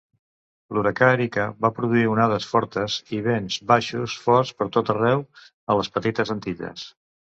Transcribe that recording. L'huracà Erika va produir onades fortes i vents baixos forts per tot arreu a les Petites Antilles.